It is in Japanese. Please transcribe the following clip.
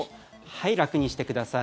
はい、楽にしてください。